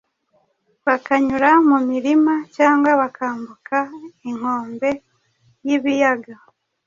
bakanyura mu mirima, cyangwa bakambuka inkombe y’ibiyaga